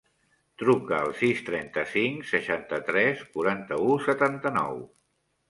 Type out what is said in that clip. Truca al sis, trenta-cinc, seixanta-tres, quaranta-u, setanta-nou.